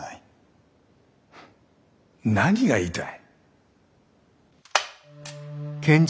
何が言いたい？